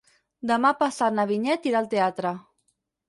Demà passat na Vinyet irà al teatre.